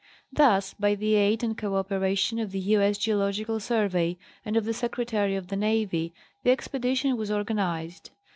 Thus, by the aid and codperation of the U. 8. Geological Sur vey and of the Secretary of the Navy, the expedition was organ ized.